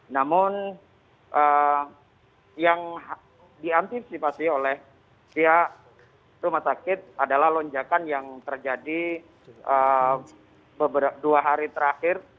namun yang diantisipasi oleh pihak rumah sakit adalah lonjakan yang terjadi dua hari terakhir